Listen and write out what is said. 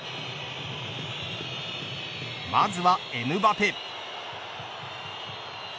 まずはエムバペ。